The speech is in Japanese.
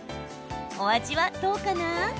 お味は、どうかな？